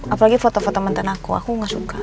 apalagi foto foto mantan aku aku gak suka